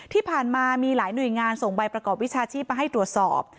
ที่ผ่านมามีหลายหน่วยงานส่งใบประกอบวิชาชีพมาให้ตรวจสอบ